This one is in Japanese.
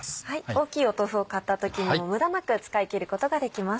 大きい豆腐を買った時にも無駄なく使い切ることができます。